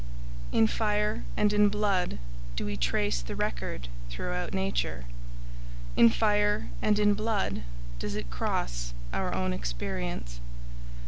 In fire and in blood do we trace the record throughout nature. In fire and in blood does it cross our own experience.